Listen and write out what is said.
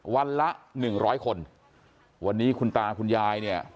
วันละหนึ่งร้อยคนวันนี้คุณตาคุณยายเนี่ย